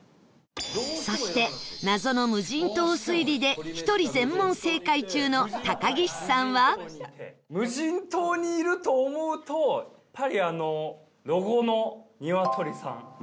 そして、謎の無人島推理で１人全問正解中の高岸さんは高岸：無人島にいると思うとやっぱり、ロゴの鶏さん。